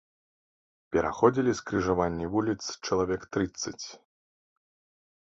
Пераходзілі скрыжаванні вуліц чалавек трыццаць.